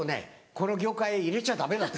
この業界へ入れちゃダメだと。